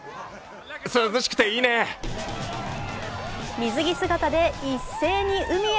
水着姿で一斉に海へ。